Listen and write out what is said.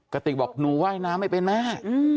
กระติกบอกหนูว่ายน้ำไม่เป็นแม่